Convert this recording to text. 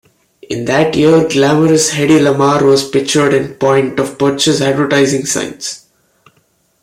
In that year, glamorous Hedy Lamarr was pictured in point of purchase advertising signs.